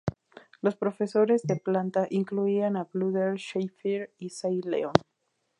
Los profesores de planta incluían a Butler Shaffer y Sy Leon.